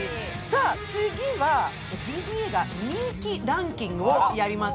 次はディズニー映画人気ランキングをやります。